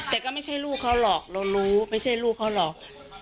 แต่ก็ไม่ใช่ลูกเขาหรอกเรารู้ไม่ใช่ลูกเขาหรอก